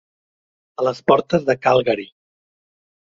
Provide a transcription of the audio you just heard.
A les portes de Calgary.